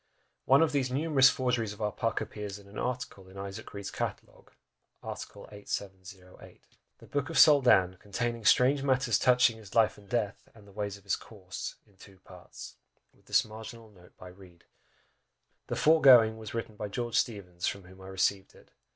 One of these numerous forgeries of our Puck appears in an article in Isaac Reed's catalogue, art. 8708. "The Boke of the Soldan, conteyninge strange matters touchynge his lyfe and deathe, and the ways of his course, in two partes, 12mo," with this marginal note by Reed "The foregoing was written by George Steevens, Esq., from whom I received it.